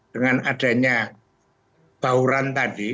dengan adanya bahuran tadi